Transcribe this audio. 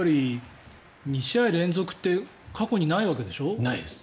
２試合連続って過去にないわけでしょう。